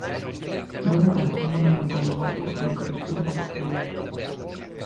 Non é tanto un monumento á memoria, senón que respira na actualidade.